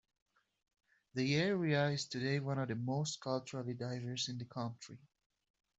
The area is today one of the most culturally diverse in the country.